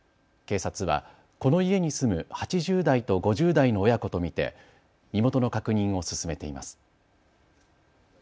警察はこの家に住む８０代と５０代の親子と見て身元の確認を進めています。